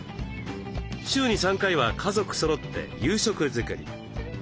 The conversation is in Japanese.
週に３回は家族そろって夕食づくり。